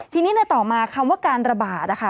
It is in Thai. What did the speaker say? ทีนี้ในต่อมาคำว่าการระบาดนะคะ